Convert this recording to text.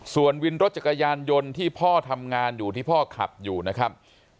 ส่วนวินรถจักรยานยนต์ที่พ่อทำงานอยู่ที่พ่อขับอยู่นะครับ